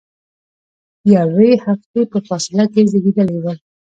یوې هفتې په فاصله کې زیږیدلي ول.